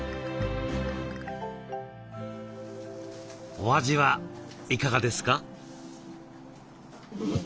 お味はいかがですか？